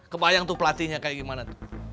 kebayang tuh pelatihnya kayak gimana tuh